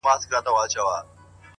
• فرمانونه چي خپاره سول په ځنګلو کي,